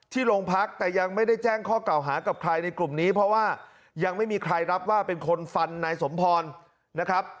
โรงพักแต่ยังไม่ได้แจ้งข้อเก่าหากับใครในกลุ่มนี้เพราะว่ายังไม่มีใครรับว่าเป็นคนฟันนายสมพรนะครับ